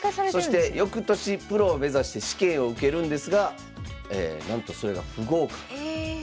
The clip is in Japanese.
そして翌年プロを目指して試験を受けるんですがなんとそれが不合格。え！